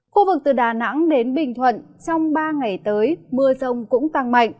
khu vực từ đà nẵng đến bình thuận trong ba ngày tới mưa rông cũng tăng mạnh